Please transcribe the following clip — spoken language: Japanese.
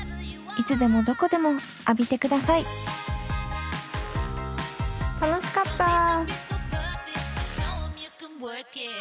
いつでもどこでも浴びてください楽しかった。